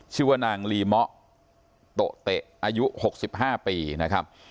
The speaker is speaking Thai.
ชีวนางรีมะโตะเตะอายุ๖๕ปีนะครับ